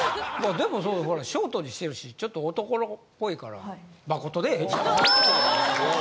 でもショートにしてるしちょっと男の子っぽいから誠でええんちゃう？